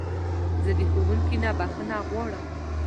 زه د ښوونکي نه بخښنه غواړم.